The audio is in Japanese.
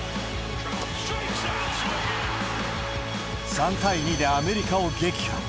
３対２でアメリカを撃破。